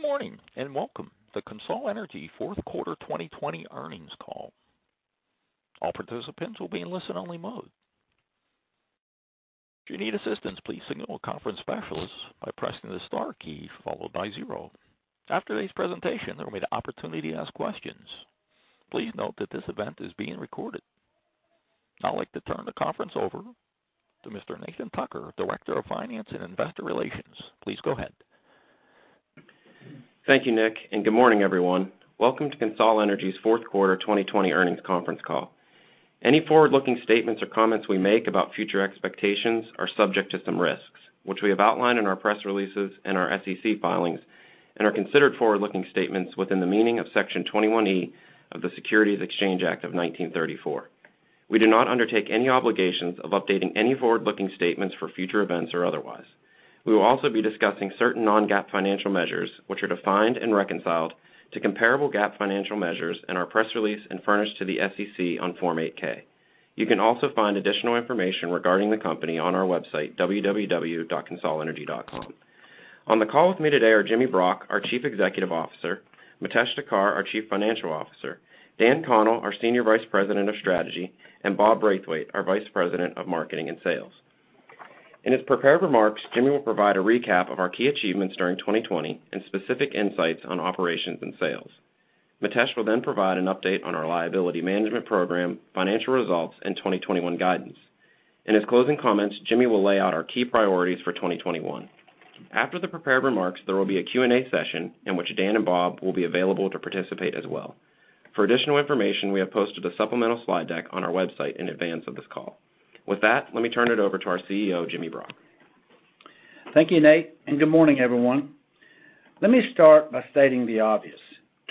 Good morning and welcome to CONSOL Energy Fourth Quarter 2020 earnings call. All participants will be in listen-only mode. If you need assistance, please signal a conference specialist by pressing the star key followed by zero. After today's presentation, there will be an opportunity to ask questions. Please note that this event is being recorded. Now I'd like to turn the conference over to Mr. Nathan Tucker, Director of Finance and Investor Relations. Please go ahead. Thank you, Nick, and good morning, everyone. Welcome to CONSOL Energy Fourth Quarter 2020 earnings conference call. Any forward-looking statements or comments we make about future expectations are subject to some risks, which we have outlined in our press releases and our SEC filings, and are considered forward-looking statements within the meaning of Section 21E of the Securities Exchange Act of 1934. We do not undertake any obligations of updating any forward-looking statements for future events or otherwise. We will also be discussing certain non-GAAP financial measures, which are defined and reconciled to comparable GAAP financial measures in our press release and furnished to the SEC on Form 8-K. You can also find additional information regarding the company on our website, www.consolenergy.com. On the call with me today are Jimmy Brock, our Chief Executive Officer, Mitesh Thakkar, our Chief Financial Officer, Dan Connell, our Senior Vice President of Strategy, and Bob Braithwaite, our Vice President of Marketing and Sales. In his prepared remarks, Jimmy will provide a recap of our key achievements during 2020 and specific insights on operations and sales. Mitesh will then provide an update on our liability management program, financial results, and 2021 guidance. In his closing comments, Jimmy will lay out our key priorities for 2021. After the prepared remarks, there will be a Q&A session in which Dan and Bob will be available to participate as well. For additional information, we have posted a supplemental slide deck on our website in advance of this call. With that, let me turn it over to our CEO, Jimmy Brock. Thank you, Nate, and good morning, everyone. Let me start by stating the obvious: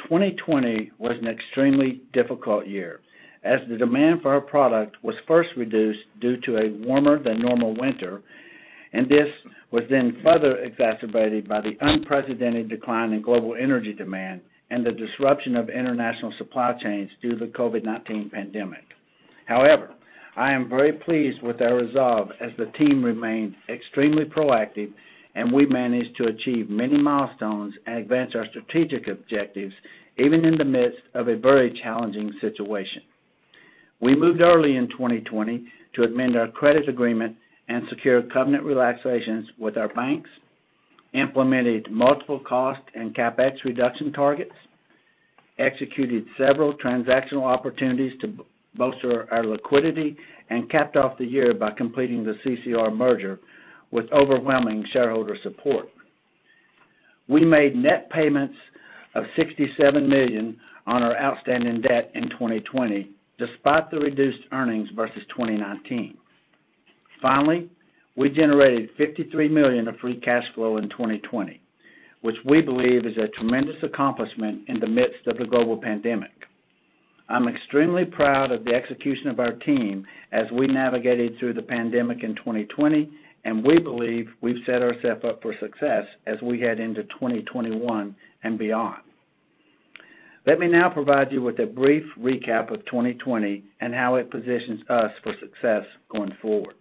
2020 was an extremely difficult year as the demand for our product was first reduced due to a warmer-than-normal winter, and this was then further exacerbated by the unprecedented decline in global energy demand and the disruption of international supply chains due to the COVID-19 pandemic. However, I am very pleased with our resolve as the team remained extremely proactive, and we managed to achieve many milestones and advance our strategic objectives even in the midst of a very challenging situation. We moved early in 2020 to amend our credit agreement and secure covenant relaxations with our banks, implemented multiple cost and CapEx reduction targets, executed several transactional opportunities to bolster our liquidity, and capped off the year by completing the CCR merger with overwhelming shareholder support. We made net payments of $67 million on our outstanding debt in 2020, despite the reduced earnings versus 2019. Finally, we generated $53 million of free cash flow in 2020, which we believe is a tremendous accomplishment in the midst of the global pandemic. I'm extremely proud of the execution of our team as we navigated through the pandemic in 2020, and we believe we've set ourselves up for success as we head into 2021 and beyond. Let me now provide you with a brief recap of 2020 and how it positions us for success going forward.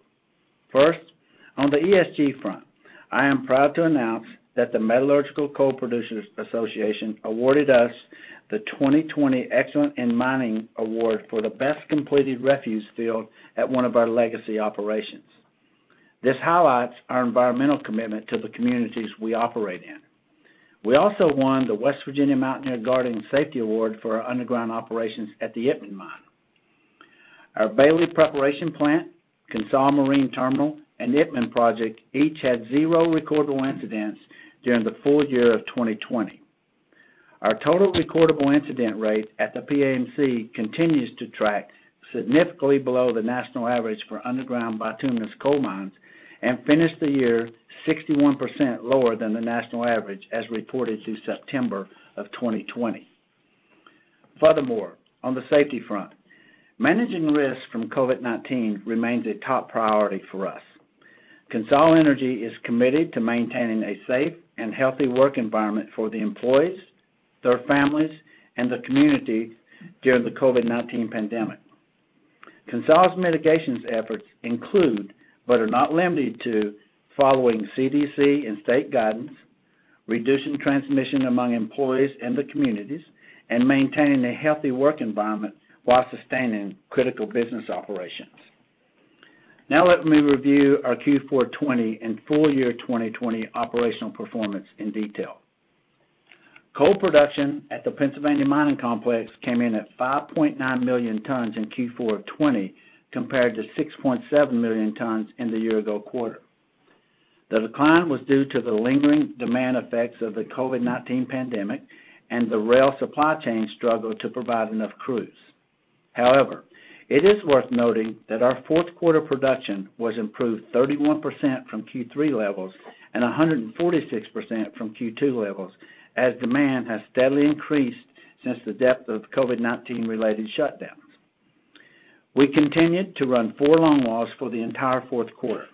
First, on the ESG front, I am proud to announce that the Metallurgical Coal Producers Association awarded us the 2020 Excellence in Mining Award for the best completed refuse field at one of our legacy operations. This highlights our environmental commitment to the communities we operate in. We also won the West Virginia Mountaineer Guardian Safety Award for our underground operations at the Itmann Mine. Our Bailey Preparation Plant, CONSOL Marine Terminal, and Itmann Project each had zero recordable incidents during the full year of 2020. Our total recordable incident rate at the PAMC continues to track significantly below the national average for underground bituminous coal mines and finished the year 61% lower than the national average as reported through September of 2020. Furthermore, on the safety front, managing risk from COVID-19 remains a top priority for us. CONSOL Energy is committed to maintaining a safe and healthy work environment for the employees, their families, and the community during the COVID-19 pandemic. CONSOL's mitigation efforts include but are not limited to following CDC and state guidance, reducing transmission among employees and the communities, and maintaining a healthy work environment while sustaining critical business operations. Now let me review our Q4 2020 and full year 2020 operational performance in detail. Coal production at the Pennsylvania Mining Complex came in at 5.9 million tons in Q4 2020 compared to 6.7 million tons in the year-ago quarter. The decline was due to the lingering demand effects of the COVID-19 pandemic and the rail supply chain struggle to provide enough crews. However, it is worth noting that our fourth quarter production was improved 31% from Q3 levels and 146% from Q2 levels as demand has steadily increased since the depth of COVID-19-related shutdowns. We continued to run four longwalls for the entire fourth quarter.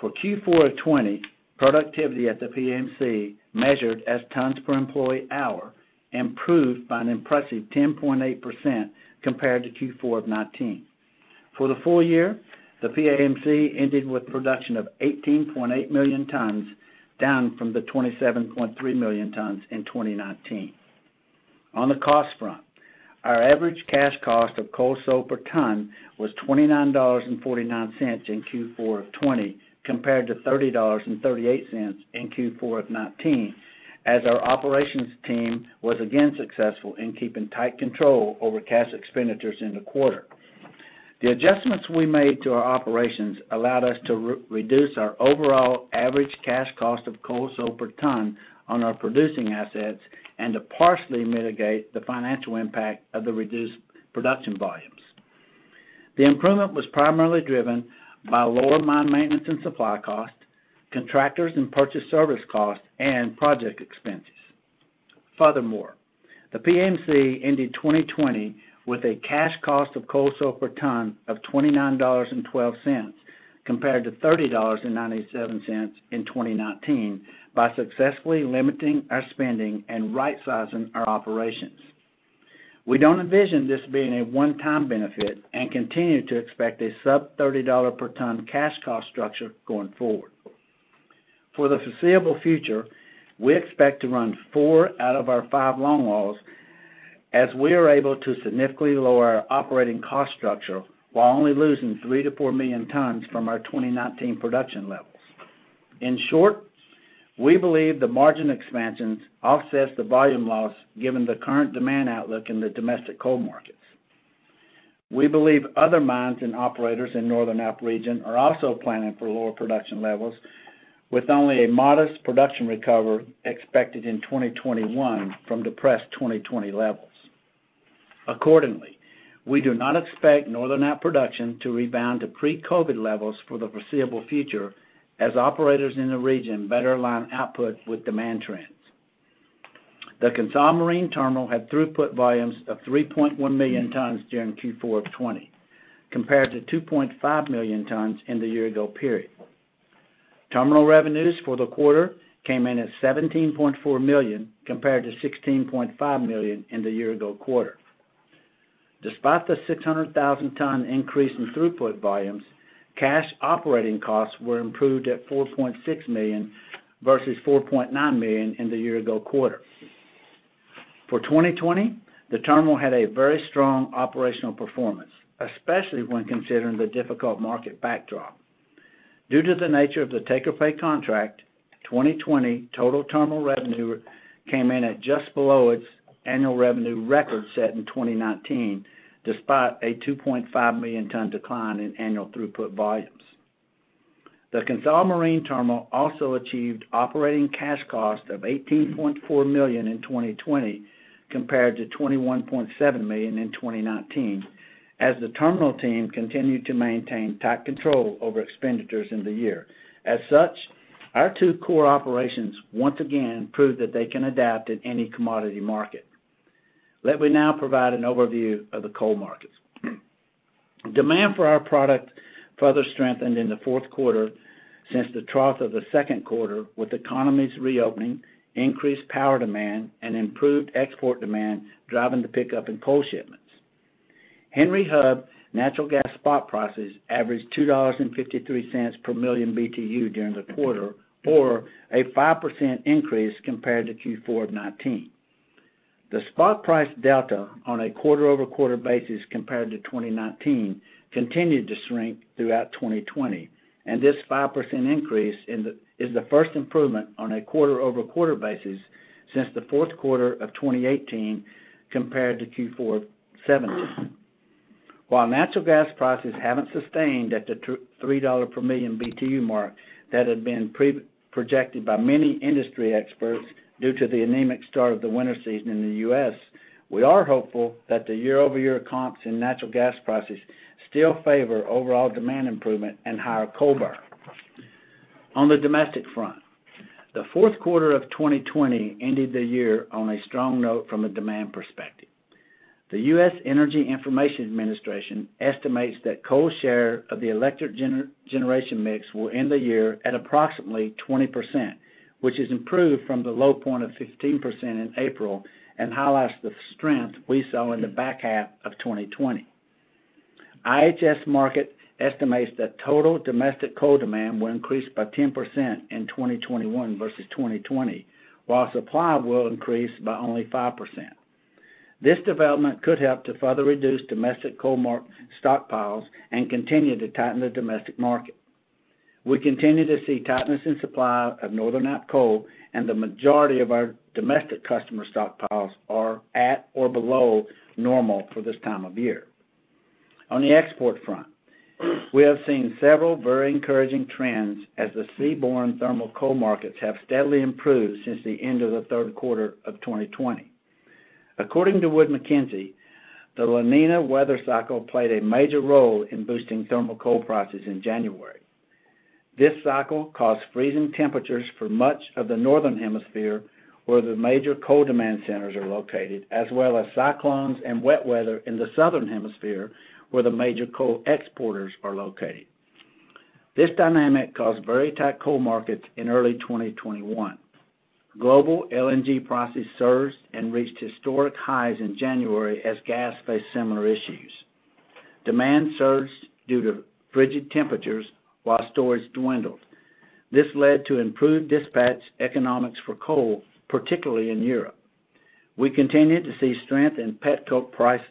For Q4 2020, productivity at the PAMC measured as tons per employee hour improved by an impressive 10.8% compared to Q4 2019. For the full year, the PAMC ended with production of 18.8 million tons, down from the 27.3 million tons in 2019. On the cost front, our average cash cost of coal sold per ton was $29.49 in Q4 2020 compared to $30.38 in Q4 2019 as our operations team was again successful in keeping tight control over cash expenditures in the quarter. The adjustments we made to our operations allowed us to reduce our overall average cash cost of coal sold per ton on our producing assets and to partially mitigate the financial impact of the reduced production volumes. The improvement was primarily driven by lower mine maintenance and supply cost, contractors and purchased service cost, and project expenses. Furthermore, the PAMC ended 2020 with a cash cost of coal sold per ton of $29.12 compared to $30.97 in 2019 by successfully limiting our spending and right-sizing our operations. We do not envision this being a one-time benefit and continue to expect a sub-$30 per ton cash cost structure going forward. For the foreseeable future, we expect to run four out of our five longwalls as we are able to significantly lower our operating cost structure while only losing 3-4 million tons from our 2019 production levels. In short, we believe the margin expansions offset the volume loss given the current demand outlook in the domestic coal markets. We believe other mines and operators in the Northern App region are also planning for lower production levels, with only a modest production recovery expected in 2021 from depressed 2020 levels. Accordingly, we do not expect Northern App production to rebound to pre-COVID levels for the foreseeable future as operators in the region better align output with demand trends. The CONSOL Marine Terminal had throughput volumes of 3.1 million tons during Q4 2020 compared to 2.5 million tons in the year-ago period. Terminal revenues for the quarter came in at $17.4 million compared to $16.5 million in the year-ago quarter. Despite the 600,000-ton increase in throughput volumes, cash operating costs were improved at $4.6 million versus $4.9 million in the year-ago quarter. For 2020, the terminal had a very strong operational performance, especially when considering the difficult market backdrop. Due to the nature of the take-or-pay contract, 2020 total terminal revenue came in at just below its annual revenue record set in 2019, despite a 2.5 million-ton decline in annual throughput volumes. The CONSOL Marine Terminal also achieved operating cash cost of $18.4 million in 2020 compared to $21.7 million in 2019 as the terminal team continued to maintain tight control over expenditures in the year. As such, our two core operations once again proved that they can adapt to any commodity market. Let me now provide an overview of the coal markets. Demand for our product further strengthened in the fourth quarter since the trough of the second quarter with economies reopening, increased power demand, and improved export demand driving the pickup in coal shipments. Henry Hub natural gas spot prices averaged $2.53 per million BTU during the quarter, or a 5% increase compared to Q4 2019. The spot price delta on a quarter-over-quarter basis compared to 2019 continued to shrink throughout 2020, and this 5% increase is the first improvement on a quarter-over-quarter basis since the fourth quarter of 2018 compared to Q4 2017. While natural gas prices haven't sustained at the $3 per million BTU mark that had been projected by many industry experts due to the anemic start of the winter season in the U.S., we are hopeful that the year-over-year comps in natural gas prices still favor overall demand improvement and higher coal burn. On the domestic front, the fourth quarter of 2020 ended the year on a strong note from a demand perspective. The U.S. Energy Information Administration estimates that coal share of the electric generation mix will end the year at approximately 20%, which is improved from the low point of 15% in April and highlights the strength we saw in the back half of 2020. IHS Markit estimates that total domestic coal demand will increase by 10% in 2021 versus 2020, while supply will increase by only 5%. This development could help to further reduce domestic coal stockpiles and continue to tighten the domestic market. We continue to see tightness in supply of Northern App coal, and the majority of our domestic customer stockpiles are at or below normal for this time of year. On the export front, we have seen several very encouraging trends as the seaborne thermal coal markets have steadily improved since the end of the third quarter of 2020. According to Wood Mackenzie, the La Nina weather cycle played a major role in boosting thermal coal prices in January. This cycle caused freezing temperatures for much of the northern hemisphere, where the major coal demand centers are located, as well as cyclones and wet weather in the southern hemisphere, where the major coal exporters are located. This dynamic caused very tight coal markets in early 2021. Global LNG prices surged and reached historic highs in January as gas faced similar issues. Demand surged due to frigid temperatures while storage dwindled. This led to improved dispatch economics for coal, particularly in Europe. We continue to see strength in petcoke prices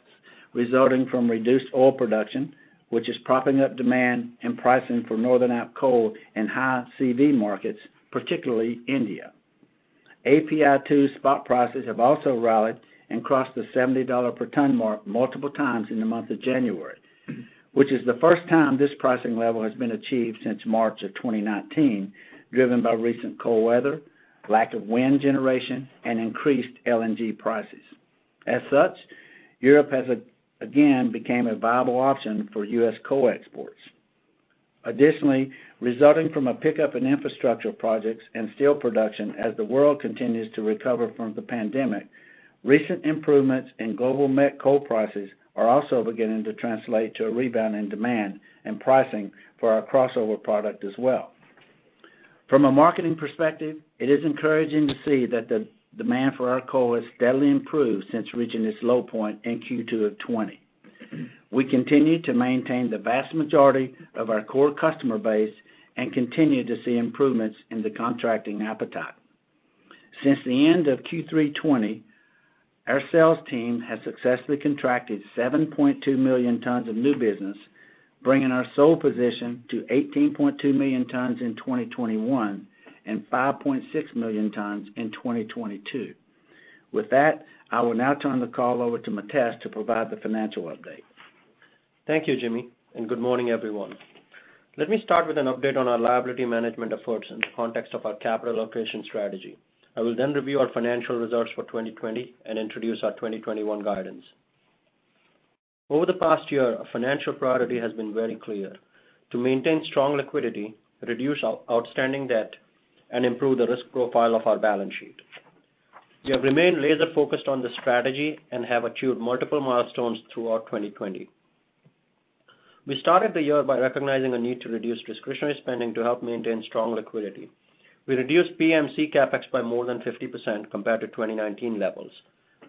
resulting from reduced oil production, which is propping up demand and pricing for Northern App coal in high CV markets, particularly India. API2 spot prices have also rallied and crossed the $70 per ton mark multiple times in the month of January, which is the first time this pricing level has been achieved since March of 2019, driven by recent cold weather, lack of wind generation, and increased LNG prices. As such, Europe has again become a viable option for U.S. coal exports. Additionally, resulting from a pickup in infrastructure projects and steel production as the world continues to recover from the pandemic, recent improvements in global met coal prices are also beginning to translate to a rebound in demand and pricing for our crossover product as well. From a marketing perspective, it is encouraging to see that the demand for our coal has steadily improved since reaching its low point in Q2 2020. We continue to maintain the vast majority of our core customer base and continue to see improvements in the contracting appetite. Since the end of Q3 2020, our sales team has successfully contracted 7.2 million tons of new business, bringing our sold position to 18.2 million tons in 2021 and 5.6 million tons in 2022. With that, I will now turn the call over to Mitesh to provide the financial update. Thank you, Jimmy, and good morning, everyone. Let me start with an update on our liability management efforts in the context of our capital allocation strategy. I will then review our financial results for 2020 and introduce our 2021 guidance. Over the past year, our financial priority has been very clear: to maintain strong liquidity, reduce outstanding debt, and improve the risk profile of our balance sheet. We have remained laser-focused on the strategy and have achieved multiple milestones throughout 2020. We started the year by recognizing a need to reduce discretionary spending to help maintain strong liquidity. We reduced PAMC CapEx by more than 50% compared to 2019 levels,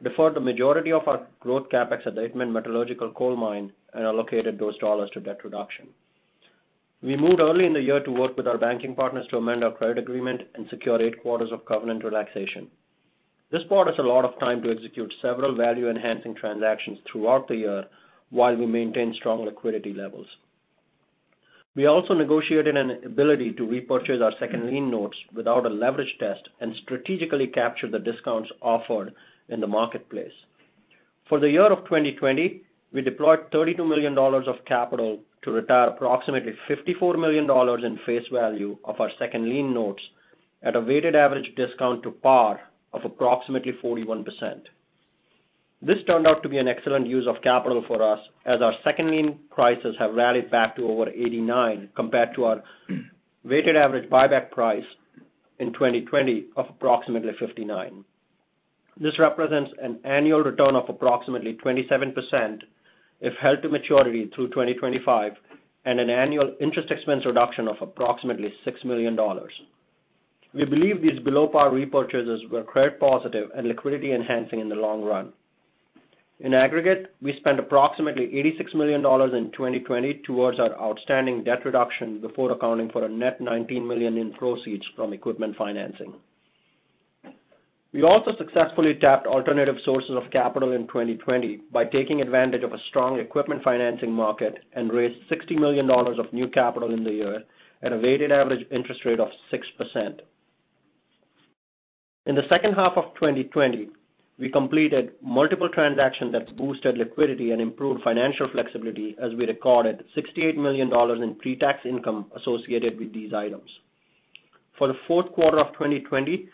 deferred the majority of our growth CapEx at the Itmann Metallurgical Coal Mine, and allocated those dollars to debt reduction. We moved early in the year to work with our banking partners to amend our credit agreement and secure eight quarters of covenant relaxation. This bought us a lot of time to execute several value-enhancing transactions throughout the year while we maintained strong liquidity levels. We also negotiated an ability to repurchase our second lien notes without a leverage test and strategically captured the discounts offered in the marketplace. For the year of 2020, we deployed $32 million of capital to retire approximately $54 million in face value of our second lien notes at a weighted average discount to par of approximately 41%. This turned out to be an excellent use of capital for us as our second lien prices have rallied back to over 89 compared to our weighted average buyback price in 2020 of approximately 59. This represents an annual return of approximately 27% if held to maturity through 2025 and an annual interest expense reduction of approximately $6 million. We believe these below par repurchases were credit-positive and liquidity-enhancing in the long run. In aggregate, we spent approximately $86 million in 2020 towards our outstanding debt reduction before accounting for a net $19 million in proceeds from equipment financing. We also successfully tapped alternative sources of capital in 2020 by taking advantage of a strong equipment financing market and raised $60 million of new capital in the year at a weighted average interest rate of 6%. In the second half of 2020, we completed multiple transactions that boosted liquidity and improved financial flexibility as we recorded $68 million in pre-tax income associated with these items. For the fourth quarter of 2020,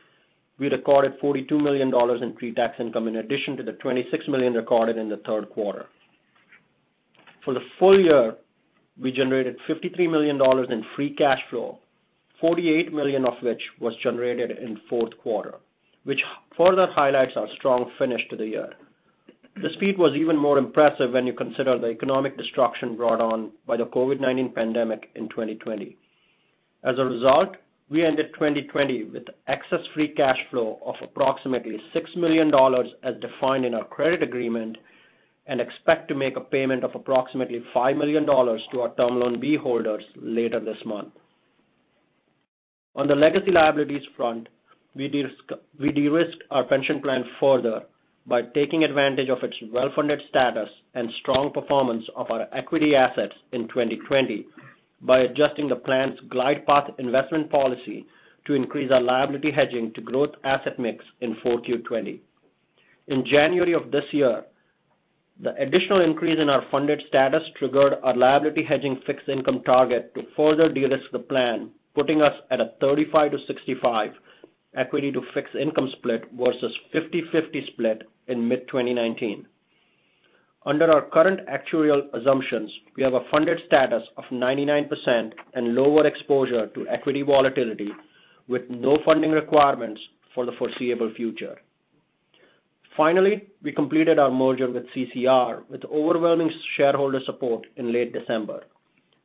we recorded $42 million in pre-tax income in addition to the $26 million recorded in the third quarter. For the full year, we generated $53 million in free cash flow, $48 million of which was generated in the fourth quarter, which further highlights our strong finish to the year. The speed was even more impressive when you consider the economic destruction brought on by the COVID-19 pandemic in 2020. As a result, we ended 2020 with excess free cash flow of approximately $6 million as defined in our credit agreement and expect to make a payment of approximately $5 million to our Term Loan B holders later this month. On the legacy liabilities front, we de-risked our pension plan further by taking advantage of its well-funded status and strong performance of our equity assets in 2020 by adjusting the plan's glide path investment policy to increase our liability hedging to growth asset mix in 4Q 2020. In January of this year, the additional increase in our funded status triggered our liability hedging fixed income target to further de-risk the plan, putting us at a 35/65 equity to fixed income split versus 50/50 split in mid-2019. Under our current actuarial assumptions, we have a funded status of 99% and lower exposure to equity volatility with no funding requirements for the foreseeable future. Finally, we completed our merger with CCR with overwhelming shareholder support in late December.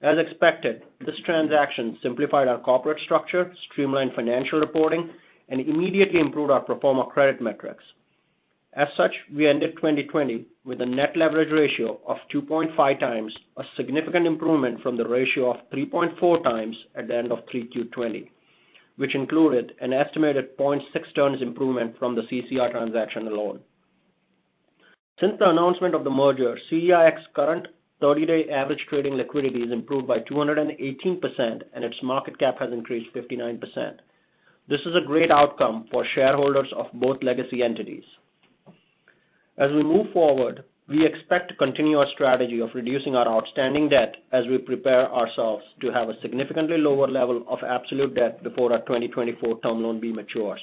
As expected, this transaction simplified our corporate structure, streamlined financial reporting, and immediately improved our pro forma credit metrics. As such, we ended 2020 with a net leverage ratio of 2.5 times, a significant improvement from the ratio of 3.4 times at the end of 3Q 2020, which included an estimated 0.6 times improvement from the CCR transaction alone. Since the announcement of the merger, CEIX current 30-day average trading liquidity has improved by 218%, and its market cap has increased 59%. This is a great outcome for shareholders of both legacy entities. As we move forward, we expect to continue our strategy of reducing our outstanding debt as we prepare ourselves to have a significantly lower level of absolute debt before our 2024 Term Loan B matures,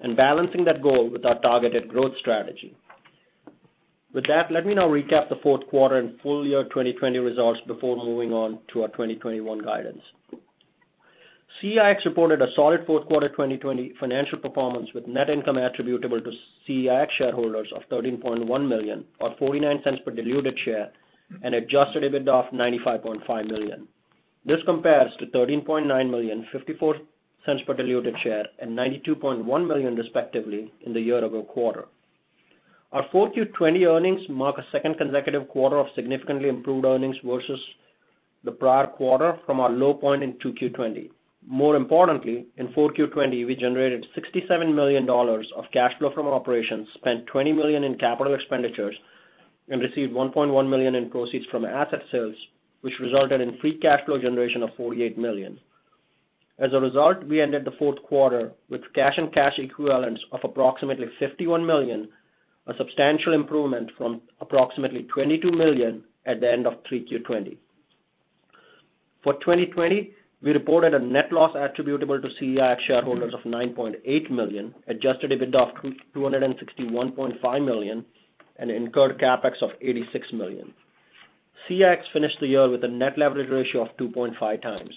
and balancing that goal with our targeted growth strategy. With that, let me now recap the fourth quarter and full year 2020 results before moving on to our 2021 guidance. CEIX reported a solid fourth quarter 2020 financial performance with net income attributable to CEIX shareholders of $13.1 million, or $0.49 per diluted share, and adjusted EBITDA of $95.5 million. This compares to $13.9 million, $0.54 per diluted share, and $92.1 million, respectively, in the year-over-quarter. Our 4Q 2020 earnings mark a second consecutive quarter of significantly improved earnings versus the prior quarter from our low point in 2Q 2020. More importantly, in 4Q 2020, we generated $67 million of cash flow from operations, spent $20 million in capital expenditures, and received $1.1 million in proceeds from asset sales, which resulted in free cash flow generation of $48 million. As a result, we ended the fourth quarter with cash and cash equivalents of approximately $51 million, a substantial improvement from approximately $22 million at the end of 3Q 2020. For 2020, we reported a net loss attributable to CEIX shareholders of $9.8 million, adjusted EBITDA of $261.5 million, and incurred CapEx of $86 million. CEIX finished the year with a net leverage ratio of 2.5 times.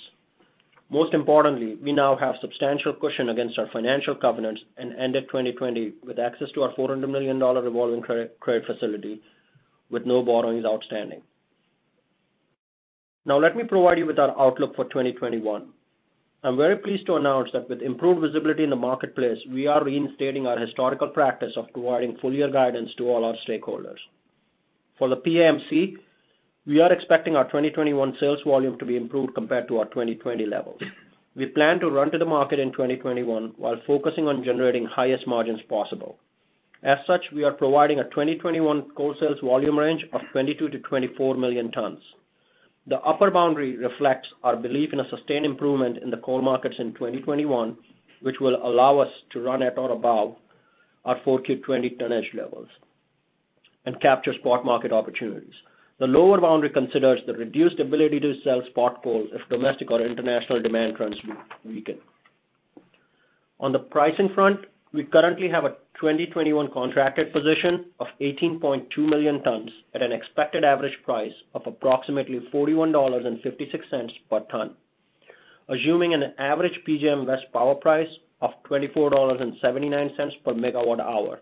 Most importantly, we now have substantial cushion against our financial covenants and ended 2020 with access to our $400 million revolving credit facility with no borrowings outstanding. Now, let me provide you with our outlook for 2021. I'm very pleased to announce that with improved visibility in the marketplace, we are reinstating our historical practice of providing full year guidance to all our stakeholders. For the PAMC, we are expecting our 2021 sales volume to be improved compared to our 2020 levels. We plan to run to the market in 2021 while focusing on generating highest margins possible. As such, we are providing a 2021 coal sales volume range of 22 million-24 million tons. The upper boundary reflects our belief in a sustained improvement in the coal markets in 2021, which will allow us to run at or above our 4Q 2020 tonnage levels and capture spot market opportunities. The lower boundary considers the reduced ability to sell spot coal if domestic or international demand trends weaken. On the pricing front, we currently have a 2021 contracted position of 18.2 million tons at an expected average price of approximately $41.56 per ton, assuming an average PJM West power price of $24.79 per MWh.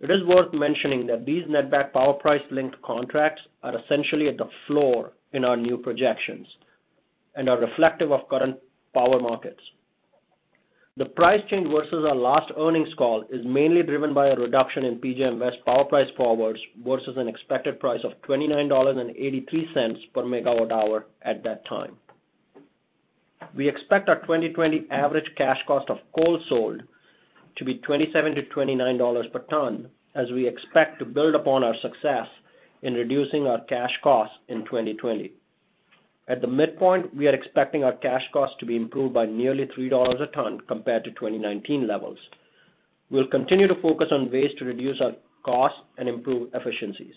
It is worth mentioning that these net back power price-linked contracts are essentially at the floor in our new projections and are reflective of current power markets. The price change versus our last earnings call is mainly driven by a reduction in PJM West power price forwards versus an expected price of $29.83 per MWh at that time. We expect our 2020 average cash cost of coal sold to be $27-$29 per ton, as we expect to build upon our success in reducing our cash costs in 2020. At the midpoint, we are expecting our cash costs to be improved by nearly $3 a ton compared to 2019 levels. We'll continue to focus on ways to reduce our costs and improve efficiencies.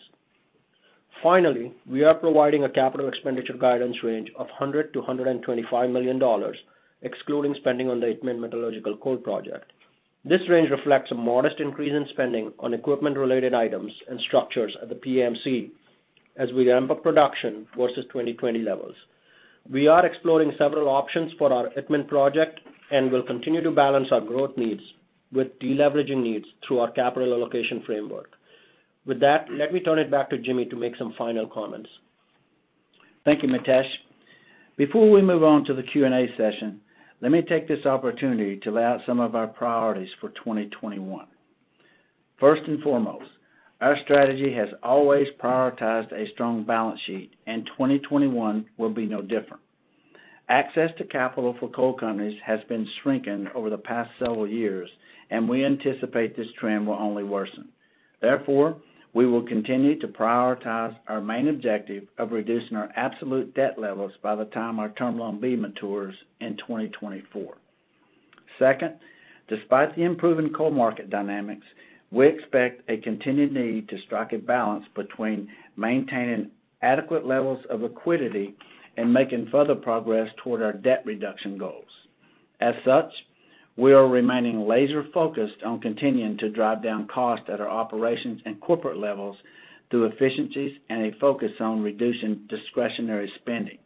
Finally, we are providing a capital expenditure guidance range of $100 million-$125 million, excluding spending on the Itmann Metallurgical Coal Project. This range reflects a modest increase in spending on equipment-related items and structures at the PAMC as we ramp up production versus 2020 levels. We are exploring several options for our Itmann project and will continue to balance our growth needs with deleveraging needs through our capital allocation framework. With that, let me turn it back to Jimmy to make some final comments. Thank you, Mitesh. Before we move on to the Q&A session, let me take this opportunity to lay out some of our priorities for 2021. First and foremost, our strategy has always prioritized a strong balance sheet, and 2021 will be no different. Access to capital for coal companies has been shrinking over the past several years, and we anticipate this trend will only worsen. Therefore, we will continue to prioritize our main objective of reducing our absolute debt levels by the time our Term Loan B matures in 2024. Second, despite the improving coal market dynamics, we expect a continued need to strike a balance between maintaining adequate levels of liquidity and making further progress toward our debt reduction goals. As such, we are remaining laser-focused on continuing to drive down costs at our operations and corporate levels through efficiencies and a focus on reducing discretionary spending.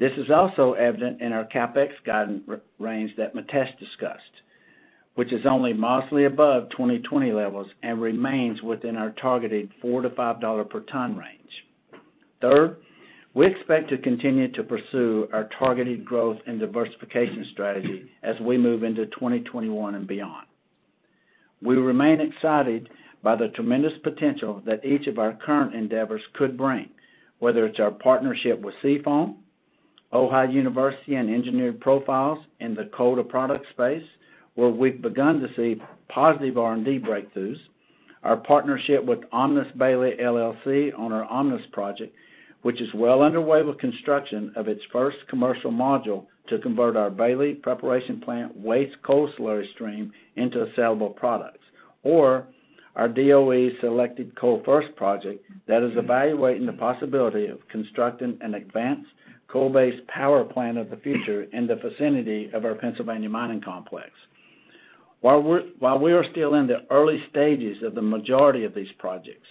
This is also evident in our CapEx guidance range that Mitesh discussed, which is only modestly above 2020 levels and remains within our targeted $4-$5 per ton range. Third, we expect to continue to pursue our targeted growth and diversification strategy as we move into 2021 and beyond. We remain excited by the tremendous potential that each of our current endeavors could bring, whether it's our partnership with Seafoam, Ohio University and Engineered Profiles in the coal-to-product space, where we've begun to see positive R&D breakthroughs, our partnership with Omnis Bailey LLC on our Omnis project, which is well underway with construction of its first commercial module to convert our Bailey Preparation Plant waste coal slurry stream into sellable products, or our DOE-selected Coal First project that is evaluating the possibility of constructing an advanced coal-based power plant of the future in the vicinity of our Pennsylvania Mining Complex. While we are still in the early stages of the majority of these projects,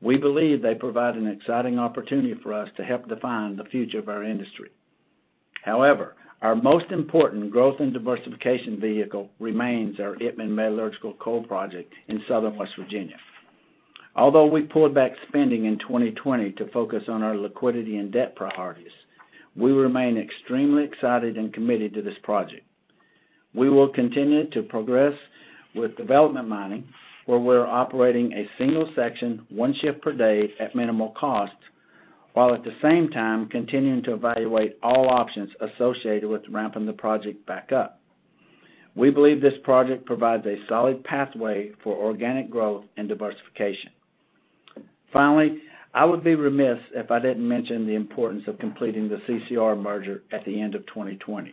we believe they provide an exciting opportunity for us to help define the future of our industry. However, our most important growth and diversification vehicle remains our Itmann Metallurgical Coal Project in southern West Virginia. Although we pulled back spending in 2020 to focus on our liquidity and debt priorities, we remain extremely excited and committed to this project. We will continue to progress with development mining, where we're operating a single section, one shift per day at minimal cost, while at the same time continuing to evaluate all options associated with ramping the project back up. We believe this project provides a solid pathway for organic growth and diversification. Finally, I would be remiss if I didn't mention the importance of completing the CCR merger at the end of 2020.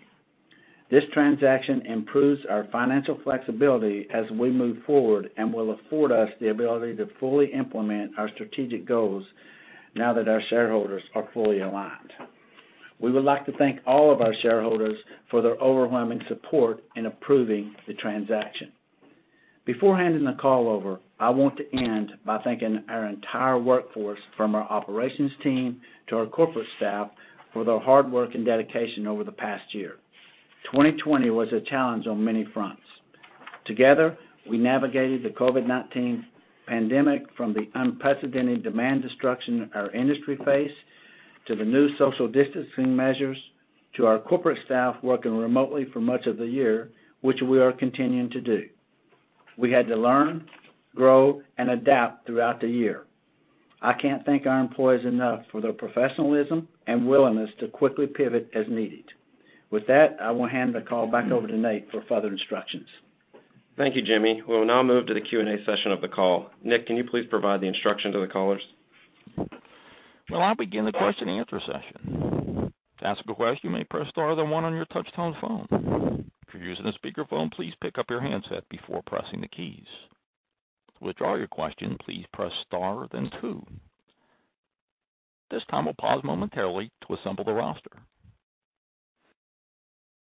This transaction improves our financial flexibility as we move forward and will afford us the ability to fully implement our strategic goals now that our shareholders are fully aligned. We would like to thank all of our shareholders for their overwhelming support in approving the transaction. Before handing the call over, I want to end by thanking our entire workforce, from our operations team to our corporate staff, for their hard work and dedication over the past year. 2020 was a challenge on many fronts. Together, we navigated the COVID-19 pandemic from the unprecedented demand destruction our industry faced to the new social distancing measures to our corporate staff working remotely for much of the year, which we are continuing to do. We had to learn, grow, and adapt throughout the year. I can't thank our employees enough for their professionalism and willingness to quickly pivot as needed. With that, I will hand the call back over to Nate for further instructions. Thank you, Jimmy. We will now move to the Q&A session of the call. Nick, can you please provide the instruction to the callers? I'll begin the question and answer session. To ask a question, you may press star then one on your touch-tone phone. If you're using a speakerphone, please pick up your handset before pressing the keys. To withdraw your question, please press star then two. At this time, we'll pause momentarily to assemble the roster.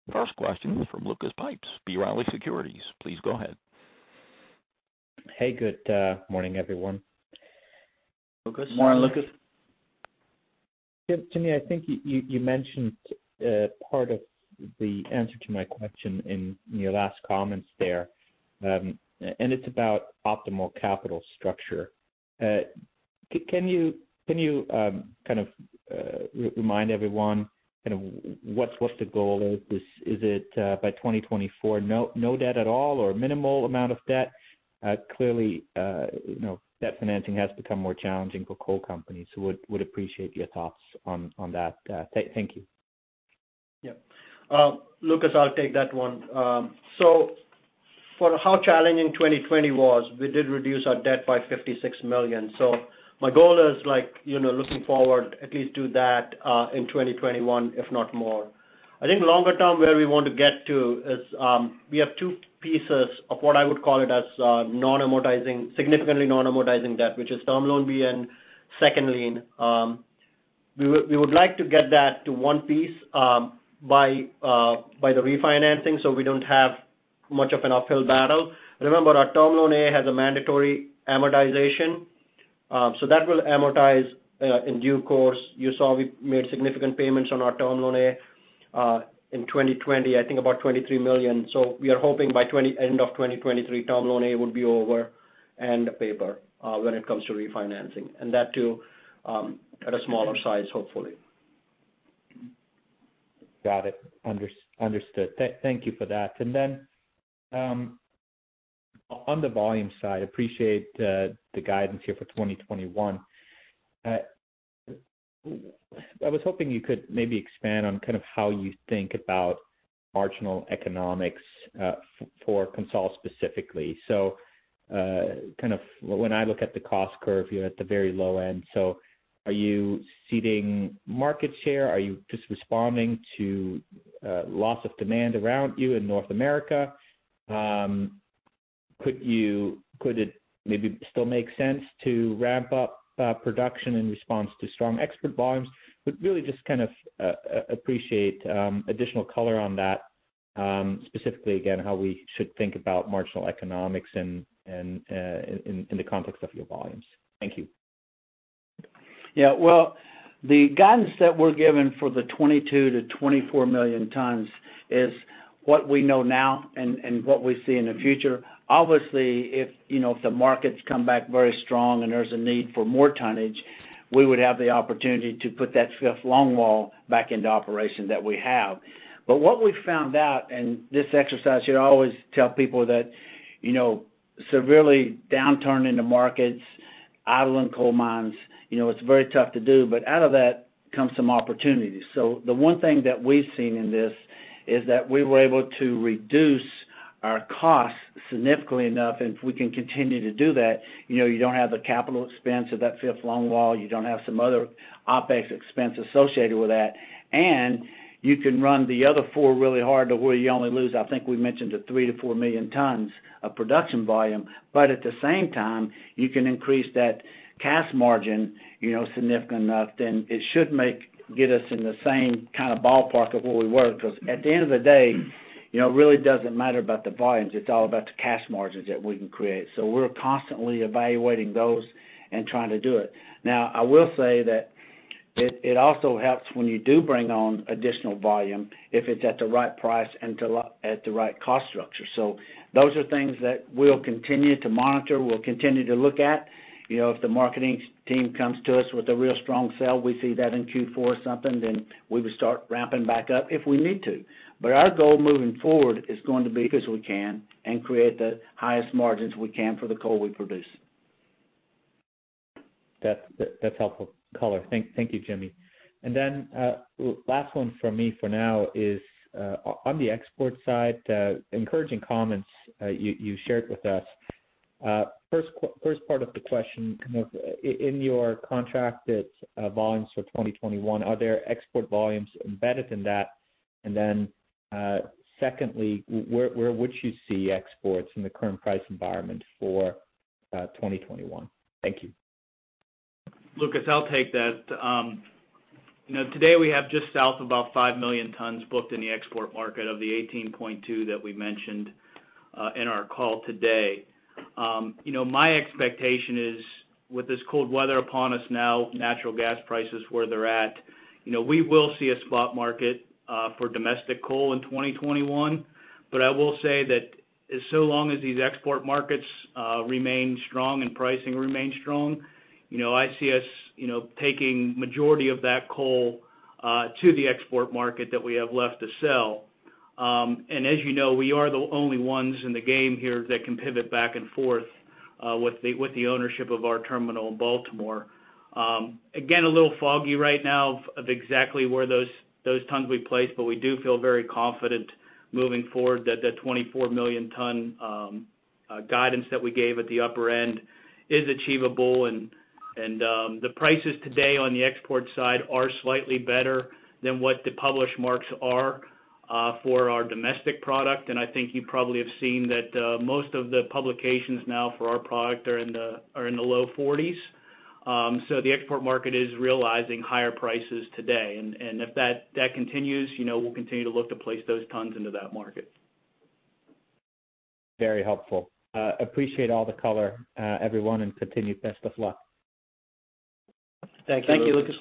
First question is from Lucas Pipes, B. Riley Securities. Please go ahead. Hey, good morning, everyone. Lucas. Morning, Lucas. Jimmy, I think you mentioned part of the answer to my question in your last comments there, and it's about optimal capital structure. Can you kind of remind everyone kind of what the goal is? Is it by 2024, no debt at all or minimal amount of debt? Clearly, debt financing has become more challenging for coal companies, so we'd appreciate your thoughts on that. Thank you. Yep. Lucas, I'll take that one. For how challenging 2020 was, we did reduce our debt by $56 million. My goal is looking forward at least to that in 2021, if not more. I think longer term where we want to get to is we have two pieces of what I would call it as significantly non-amortizing debt, which is Term Loan B and second lien. We would like to get that to one piece by the refinancing so we don't have much of an uphill battle. Remember, our Term Loan A has a mandatory amortization, so that will amortize in due course. You saw we made significant payments on our Term Loan A in 2020, I think about $23 million. We are hoping by end of 2023, Term Loan A would be over and. Paper when it comes to refinancing, and that too at a smaller size, hopefully. Got it. Understood. Thank you for that. On the volume side, appreciate the guidance here for 2021. I was hoping you could maybe expand on kind of how you think about marginal economics for CONSOL specifically. When I look at the cost curve, you're at the very low end. Are you ceding market share? Are you just responding to loss of demand around you in North America? Could it maybe still make sense to ramp up production in response to strong export volumes? I really just appreciate additional color on that, specifically again how we should think about marginal economics in the context of your volumes. Thank you. Yeah. The guidance that we're given for the 22-24 million tons is what we know now and what we see in the future. Obviously, if the markets come back very strong and there's a need for more tonnage, we would have the opportunity to put that longwall back into operation that we have. What we found out in this exercise, you always tell people that severely downturning the markets, idling coal mines, it's very tough to do, but out of that comes some opportunity. The one thing that we've seen in this is that we were able to reduce our costs significantly enough, and if we can continue to do that, you don't have the capital expense of that fifth longwall. You do not have some other OpEx expense associated with that, and you can run the other four really hard to where you only lose, I think we mentioned the 3-4 million tons of production volume. At the same time, you can increase that cash margin significant enough, then it should get us in the same kind of ballpark of where we were. Because at the end of the day, it really does not matter about the volumes. It is all about the cash margins that we can create. We are constantly evaluating those and trying to do it. Now, I will say that it also helps when you do bring on additional volume if it is at the right price and at the right cost structure. Those are things that we will continue to monitor. We will continue to look at. If the marketing team comes to us with a real strong sale, we see that in Q4 or something, we would start ramping back up if we need to. Our goal moving forward is going to be, as we can, and create the highest margins we can for the coal we produce. That's helpful color. Thank you, Jimmy. Last one for me for now is on the export side, encouraging comments you shared with us. First part of the question, in your contracted volumes for 2021, are there export volumes embedded in that? Secondly, where would you see exports in the current price environment for 2021? Thank you. Lucas, I'll take that. Today, we have just south of about 5 million tons booked in the export market of the 18.2 million tons that we mentioned in our call today. My expectation is with this cold weather upon us now, natural gas prices where they're at, we will see a spot market for domestic coal in 2021. I will say that as so long as these export markets remain strong and pricing remain strong, I see us taking the majority of that coal to the export market that we have left to sell. As you know, we are the only ones in the game here that can pivot back and forth with the ownership of our terminal in Baltimore. Again, a little foggy right now of exactly where those tons we placed, but we do feel very confident moving forward that the 24 million ton guidance that we gave at the upper end is achievable. The prices today on the export side are slightly better than what the published marks are for our domestic product. I think you probably have seen that most of the publications now for our product are in the low $40s. The export market is realizing higher prices today. If that continues, we'll continue to look to place those tons into that market. Very helpful. Appreciate all the color, everyone, and continue best of luck. Thank you. Thank you, Lucas.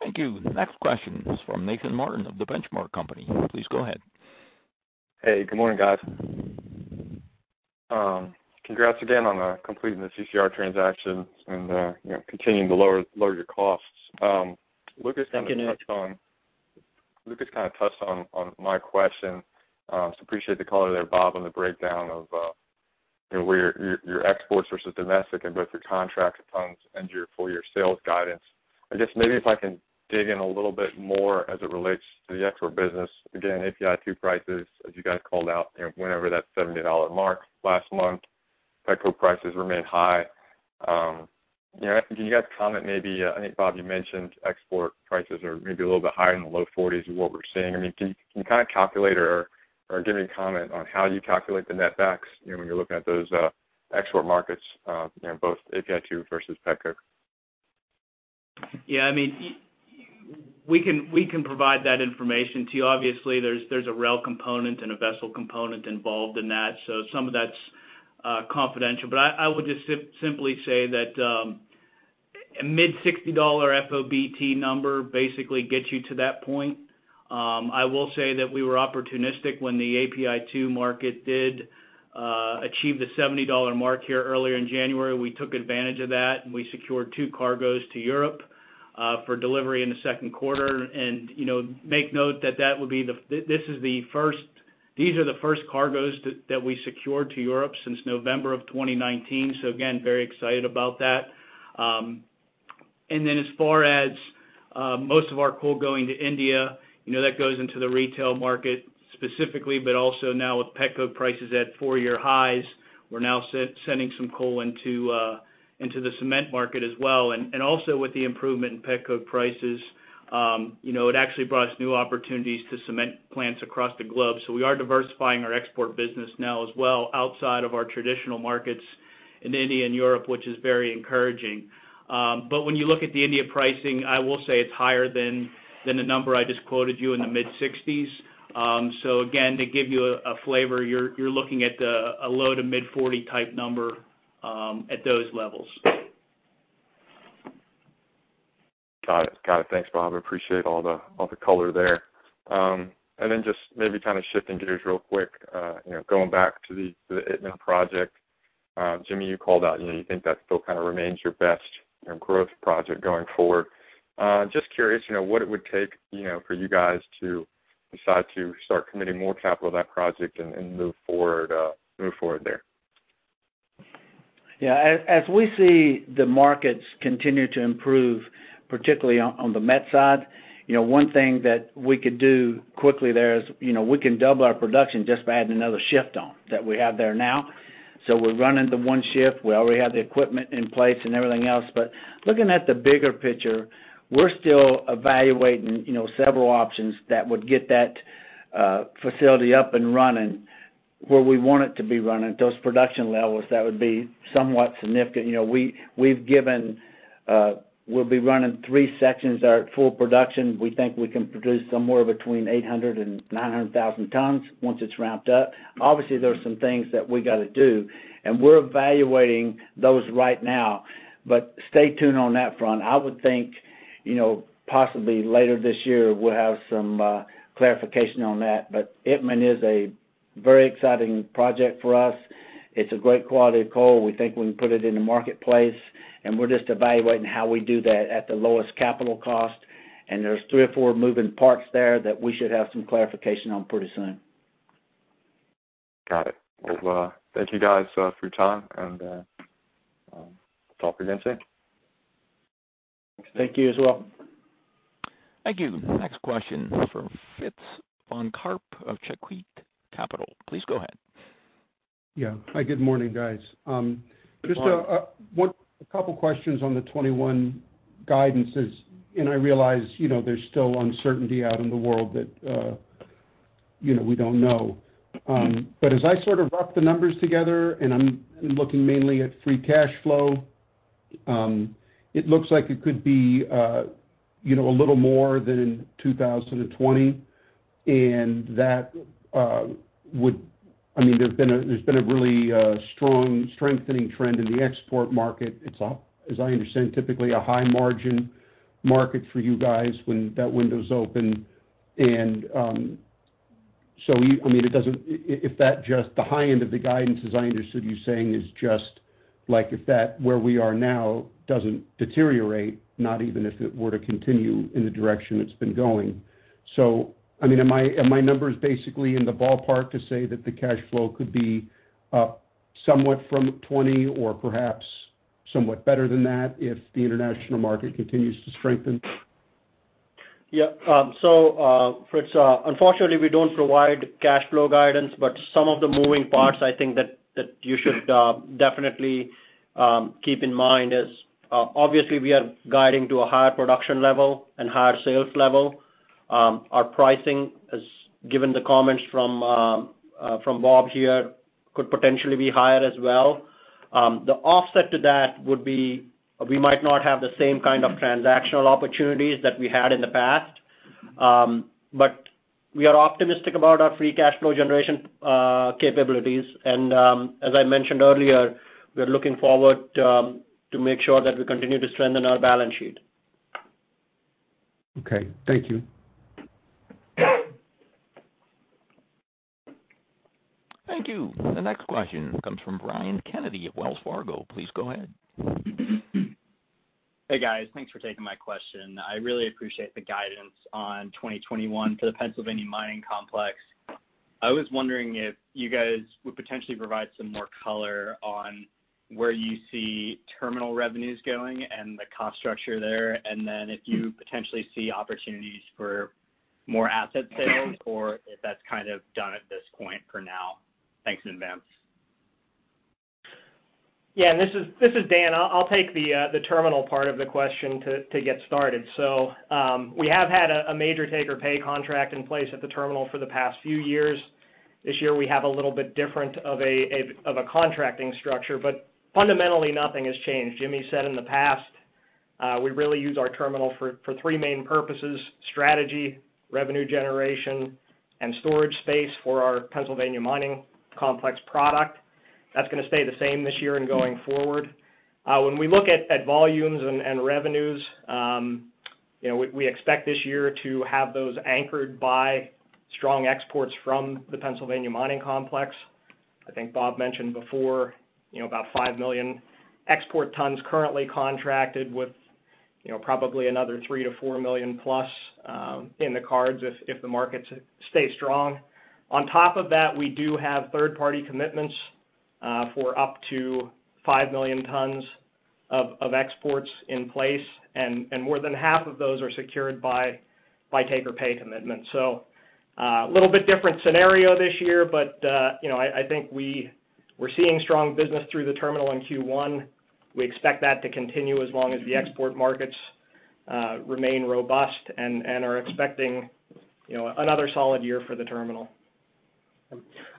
Thank you. Next question is from Nathan Martin of The Benchmark Company. Please go ahead. Hey, good morning, guys. Congrats again on completing the CCR transaction and continuing to lower your costs. Lucas kind of touched on my question. Appreciate the color there, Bob, on the breakdown of your exports versus domestic and both your contract tons and your full year sales guidance. I guess maybe if I can dig in a little bit more as it relates to the export business. Again, API2 prices, as you guys called out, went over that $70 mark last month. Petcoke prices remain high. Can you guys comment maybe I think Bob, you mentioned export prices are maybe a little bit higher in the low $40s of what we're seeing. I mean, can you kind of calculate or give me a comment on how you calculate the net backs when you're looking at those export markets, both API2 versus petcoke? Yeah. I mean, we can provide that information to you. Obviously, there's a rail component and a vessel component involved in that. Some of that's confidential. I would just simply say that a mid-$60 FOBT number basically gets you to that point. I will say that we were opportunistic when the API2 market did achieve the $70 mark here earlier in January. We took advantage of that. We secured two cargoes to Europe for delivery in the second quarter. Make note that these are the first cargoes that we secured to Europe since November of 2019. Again, very excited about that. As far as most of our coal going to India, that goes into the retail market specifically, but also now with petcoke prices at four-year highs, we're now sending some coal into the cement market as well. Also, with the improvement in petcoke prices, it actually brought us new opportunities to cement plants across the globe. We are diversifying our export business now as well outside of our traditional markets in India and Europe, which is very encouraging. When you look at the India pricing, I will say it's higher than the number I just quoted you in the mid-$60s. Again, to give you a flavor, you're looking at a low to mid-$40 type number at those levels. Got it. Got it. Thanks, Bob. Appreciate all the color there. Maybe kind of shifting gears real quick, going back to the Itmann project. Jimmy, you called out you think that still kind of remains your best growth project going forward. Just curious what it would take for you guys to decide to start committing more capital to that project and move forward there? Yeah. As we see the markets continue to improve, particularly on the met side, one thing that we could do quickly there is we can double our production just by adding another shift on that we have there now. We're running the one shift. We already have the equipment in place and everything else. Looking at the bigger picture, we're still evaluating several options that would get that facility up and running where we want it to be running. Those production levels, that would be somewhat significant. We've given we'll be running three sections that are at full production. We think we can produce somewhere between 800,000 and 900,000 tons once it's ramped up. Obviously, there are some things that we got to do, and we're evaluating those right now. Stay tuned on that front. I would think possibly later this year, we'll have some clarification on that. Itmann is a very exciting project for us. It's a great quality of coal. We think we can put it in the marketplace, and we're just evaluating how we do that at the lowest capital cost. There are three or four moving parts there that we should have some clarification on pretty soon. Got it. Thank you guys for your time, and talk again soon. Thank you as well. Thank you. Next question from Fritz Von Carp of Cove Key Capital. Please go ahead. Yeah. Hi, good morning, guys. Just a couple of questions on the 2021 guidances. I realize there is still uncertainty out in the world that we do not know. As I sort of wrap the numbers together, and I am looking mainly at free cash flow, it looks like it could be a little more than in 2020. That would, I mean, there has been a really strong strengthening trend in the export market. It is, as I understand, typically a high-margin market for you guys when that window is open. I mean, if that, just the high end of the guidance, as I understood you saying, is just like if that where we are now does not deteriorate, not even if it were to continue in the direction it has been going. I mean, are my numbers basically in the ballpark to say that the cash flow could be up somewhat from 20 or perhaps somewhat better than that if the international market continues to strengthen? Yep. Unfortunately, we do not provide cash flow guidance, but some of the moving parts I think that you should definitely keep in mind is obviously we are guiding to a higher production level and higher sales level. Our pricing, given the comments from Bob here, could potentially be higher as well. The offset to that would be we might not have the same kind of transactional opportunities that we had in the past. We are optimistic about our free cash flow generation capabilities. As I mentioned earlier, we're looking forward to make sure that we continue to strengthen our balance sheet. Thank you. Thank you. The next question comes from Brian Kennedy of Wells Fargo. Please go ahead. Hey, guys. Thanks for taking my question. I really appreciate the guidance on 2021 for the Pennsylvania Mining Complex. I was wondering if you guys would potentially provide some more color on where you see terminal revenues going and the cost structure there, and then if you potentially see opportunities for more asset sales or if that's kind of done at this point for now. Thanks in advance. Yeah. This is Dan. I'll take the terminal part of the question to get started. We have had a major take-or-pay contract in place at the terminal for the past few years. This year, we have a little bit different of a contracting structure, but fundamentally, nothing has changed. Jimmy said in the past, we really use our terminal for three main purposes: strategy, revenue generation, and storage space for our Pennsylvania Mining Complex product. That's going to stay the same this year and going forward. When we look at volumes and revenues, we expect this year to have those anchored by strong exports from Pennsylvania Mining Complex. I think Bob mentioned before about 5 million export tons currently contracted with probably another 3-4 million plus in the cards if the markets stay strong. On top of that, we do have third-party commitments for up to 5 million tons of exports in place, and more than half of those are secured by take-or-pay commitments. A little bit different scenario this year, but I think we're seeing strong business through the terminal in Q1. We expect that to continue as long as the export markets remain robust and are expecting another solid year for the terminal.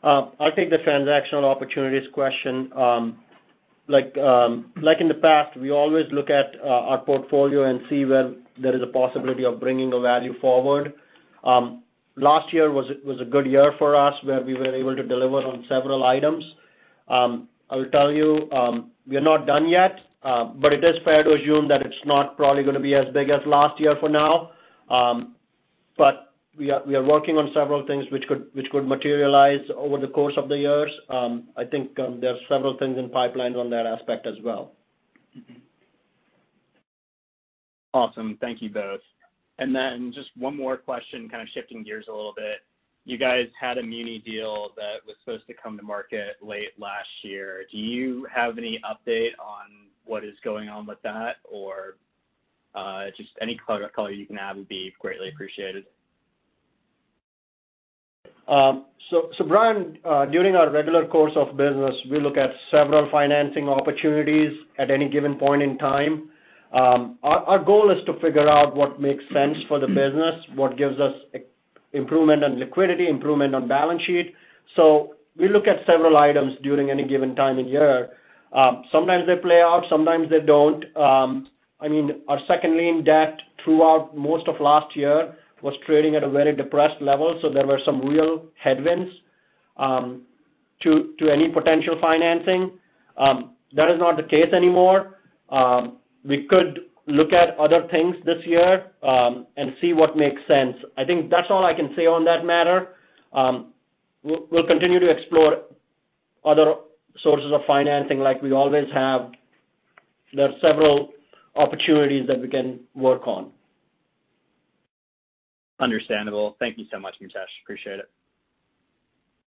I think the transactional opportunities question, like in the past, we always look at our portfolio and see where there is a possibility of bringing a value forward. Last year was a good year for us where we were able to deliver on several items. I will tell you, we are not done yet, but it is fair to assume that it's not probably going to be as big as last year for now. We are working on several things which could materialize over the course of the years. I think there are several things in pipeline on that aspect as well. Awesome. Thank you both. Just one more question, kind of shifting gears a little bit. You guys had a muni deal that was supposed to come to market late last year. Do you have any update on what is going on with that? Just any color you can add would be greatly appreciated. Brian, during our regular course of business, we look at several financing opportunities at any given point in time. Our goal is to figure out what makes sense for the business, what gives us improvement on liquidity, improvement on balance sheet. We look at several items during any given time in year. Sometimes they play out. Sometimes they do not. I mean, our second-line debt throughout most of last year was trading at a very depressed level. There were some real headwinds to any potential financing. That is not the case anymore. We could look at other things this year and see what makes sense. I think that's all I can say on that matter. We'll continue to explore other sources of financing like we always have. There are several opportunities that we can work on. Understandable. Thank you so much, Mitesh. Appreciate it.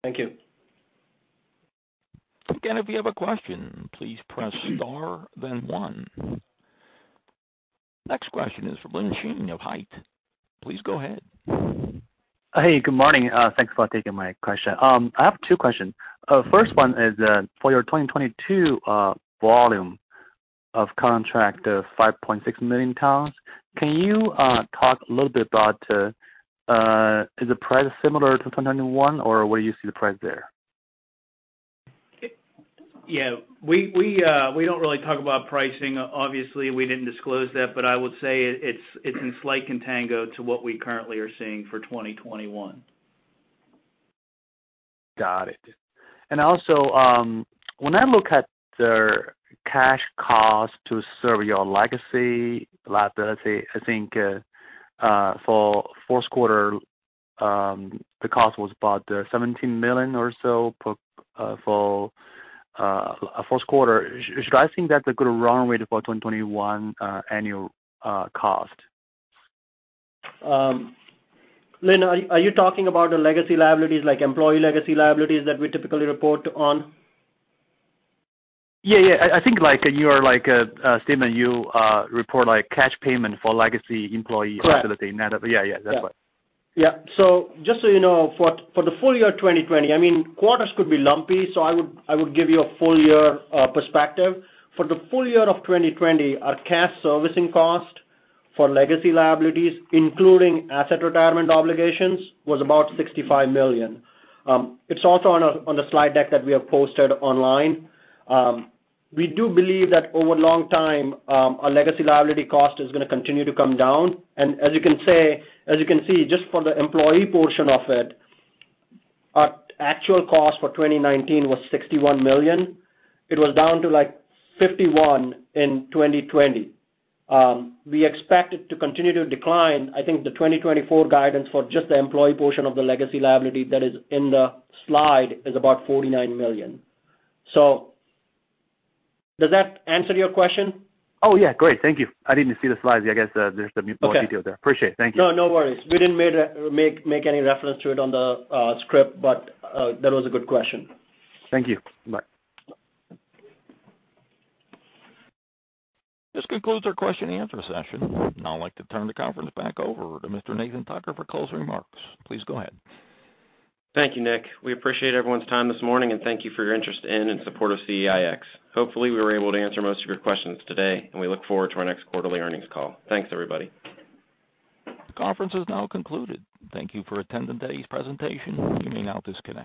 Thank you. Again, if you have a question, please press star, then one. Next question is from Lin Shen of HITE. Please go ahead. Hey, good morning. Thanks for taking my question. I have two questions. First one is for your 2022 volume of contract, 5.6 million tons. Can you talk a little bit about is the price similar to 2021, or where do you see the price there? Yeah. We do not really talk about pricing. Obviously, we did not disclose that, but I would say it is in slight contango to what we currently are seeing for 2021. Got it. Also, when I look at the cash cost to serve your legacy liability, I think for fourth quarter, the cost was about $17 million or so for fourth quarter. Should I think that is a good run rate for 2021 annual cost? Linh, are you talking about the legacy liabilities, like employee legacy liabilities that we typically report on? Yeah. Yeah. I think in your statement, you report cash payment for legacy employee liability. Yeah. Yeah. That is what. Yeah. Just so you know, for the full year 2020, I mean, quarters could be lumpy. I would give you a full year perspective. For the full year of 2020, our cash servicing cost for legacy liabilities, including asset retirement obligations, was about $65 million. It is also on the slide deck that we have posted online. We do believe that over a long time, our legacy liability cost is going to continue to come down. As you can see, just for the employee portion of it, our actual cost for 2019 was $61 million. It was down to like $51 million in 2020. We expect it to continue to decline. I think the 2024 guidance for just the employee portion of the legacy liability that is in the slide is about $49 million. Does that answer your question? Oh, yeah. Great. Thank you. I did not see the slides. I guess there is more detail there. Appreciate it. Thank you. No, no worries. We did not make any reference to it on the script, but that was a good question. Thank you. Bye. This concludes our question and answer session. Now I would like to turn the conference back over to Mr. Nathan Tucker for closing remarks. Please go ahead. Thank you, Nick. We appreciate everyone's time this morning, and thank you for your interest in and support of CEIX. Hopefully, we were able to answer most of your questions today, and we look forward to our next quarterly earnings call. Thanks, everybody. The conference is now concluded. Thank you for attending today's presentation. You may now disconnect.